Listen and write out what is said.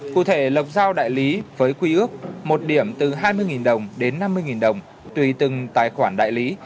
cụ thể lập giao đại lý với quy ước một điểm từ hai mươi đồng đến năm mươi đồng tùy từng tài khoản đại lý